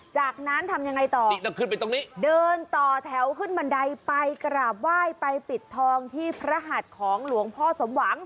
จากนั้นทำยังไงต่อนี่ต้องขึ้นไปตรงนี้เดินต่อแถวขึ้นบันไดไปกราบไหว้ไปปิดทองที่พระหัดของหลวงพ่อสมหวัง